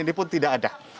ini pun tidak ada